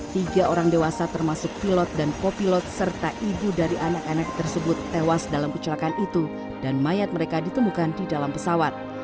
tiga orang dewasa termasuk pilot dan kopilot serta ibu dari anak anak tersebut tewas dalam kecelakaan itu dan mayat mereka ditemukan di dalam pesawat